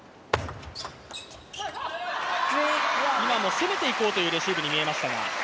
今も攻めていこうというレシーブに見えましたが？